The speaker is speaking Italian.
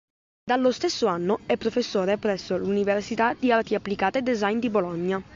Dallo stesso anno è professore presso l'Università di Arti Applicate e design di Bologna.